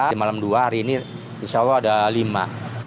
di malam dua hari ini insya allah ada lima